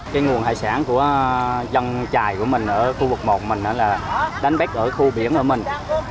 cái nguồn hải sản của dân trại của mình ở khu vực một mình đó là đánh bích ở khu biển của mình